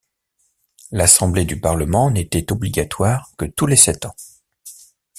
L’assemblée du parlement n’était obligatoire que tous les sept ans.